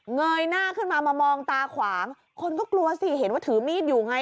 เงยหน้าขึ้นมามามองตาขวางคนก็กลัวสิเห็นว่าถือมีดอยู่ไง